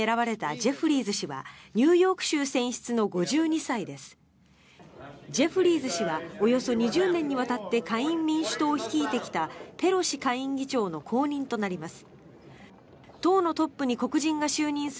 ジェフリーズ氏はおよそ２０年にわたって下院民主党を率いてきたペロシ下院議長の後任となります。